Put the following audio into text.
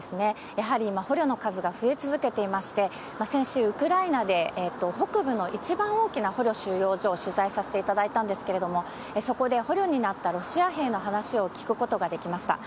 やはり今、捕虜の数が増え続けていまして、先週、ウクライナで北部の一番大きな捕虜収容所を取材させていただいたんですけれども、そこで捕虜になったロシア兵の話を聞くことができました。